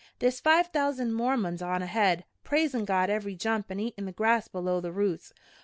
There's five thousand Mormons on ahead, praisin' God every jump an' eatin' the grass below the roots.